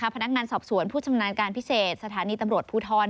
พนักงานสอบสวนผู้ชำนาญการพิเศษสถานีตำรวจภูทร